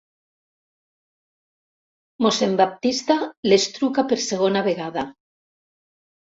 Mossèn Baptista les truca per segona vegada.